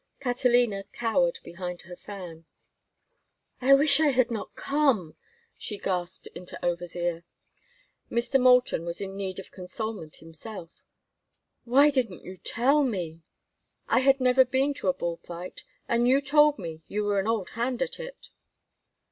Catalina cowered behind her fan. "I wish I had not come!" she gasped into Over's ear. Mr. Moulton was in need of consolement himself. "Why didn't you tell me?" "I had never been to a bull fight, and you told me you were an old hand at it."